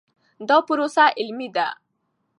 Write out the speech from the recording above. دا پروسه علمي ده.